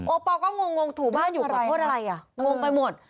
ปอลก็งงถูบ้านอยู่ขอโทษอะไรอ่ะงงไปหมด